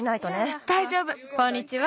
こんにちは。